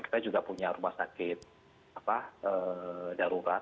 kita juga punya rumah sakit darurat